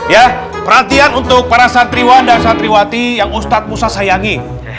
ya perhatian untuk para santriwan dan santriwati yang ustadz musa sayangi